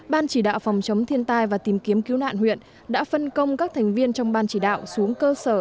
ban chỉ đạo phòng chống thiên tai và tìm kiếm cứu nạn huyện đã phân công các thành viên trong ban chỉ đạo xuống cơ sở